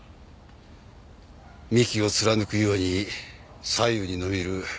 幹を貫くように左右に伸びるかんぬき枝。